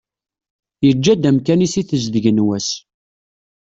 Yeǧǧa-d amkan-is i tezdeg n wass.